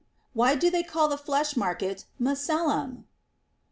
Why do they call the flesh market Ma cellum